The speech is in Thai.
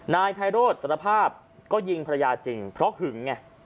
นายไพโรธสารภาพก็ยิงภรรยาจริงเพราะหึงไง